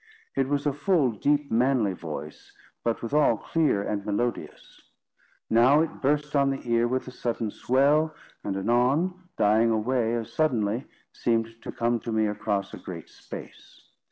It was a full, deep, manly voice, but withal clear and melodious. Now it burst on the ear with a sudden swell, and anon, dying away as suddenly, seemed to come to me across a great space.